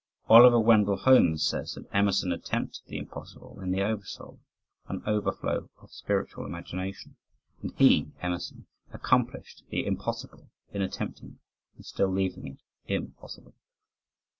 Oliver Wendell Holmes says that Emerson attempted the impossible in the Over Soul "an overflow of spiritual imagination." But he (Emerson) accomplished the impossible in attempting it, and still leaving it impossible.